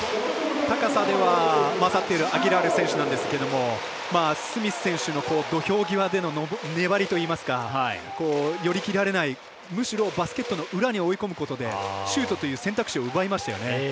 高さでは勝っているアギラール選手なんですけどスミス選手の土俵際の粘りといいますか寄り切られない、むしろバスケットの裏に追い込むことでシュートという選択肢を奪いましたよね。